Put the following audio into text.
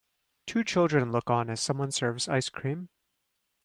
Two children look on as someone serves ice cream.